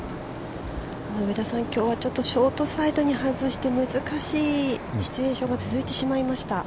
◆上田さん、きょうはショートサイドに外して難しいシチュエーションが続いてしました。